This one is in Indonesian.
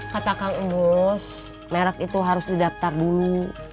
katakan emos merk itu harus didaftar dulu